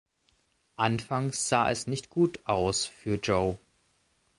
Anfangs sah es nicht gut aus für Zhou.